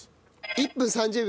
１分３０秒。